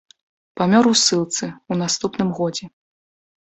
Памёр у ссылцы ў наступным годзе.